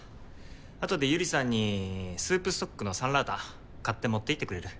あとで百合さんにスープストックの酸辣湯買って持って行ってくれる？